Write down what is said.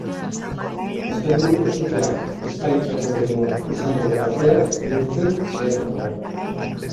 Asteburuko suteak kixkalitako eremuan izandako kalteak neurtzen saiatuko gara.